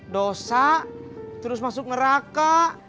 dosa terus masuk neraka